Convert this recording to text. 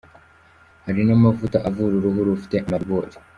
Hari n’amavuta avura uruhu rufite amaribori.